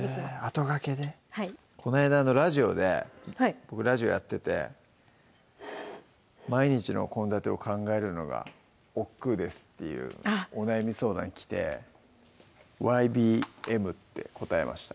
あとがけでこないだラジオで僕ラジオやってて「毎日の献立を考えるのがおっくうです」っていうお悩み相談来て「ＹＢＭ」って答えました